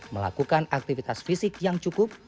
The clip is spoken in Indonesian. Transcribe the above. melakukan aktivitas fisik yang cukup